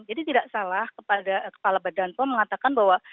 jadi tidak salah kepada kepala badan poh mengatakan bahwa